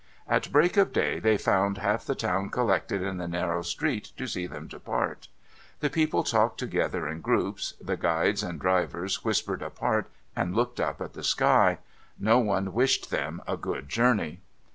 At break of day, they found half the town collected in the narrow street to see them depart. The people talked together in groups ; the guides and drivers whispered apart, and looked up at the sky ; no one wished them a good journey.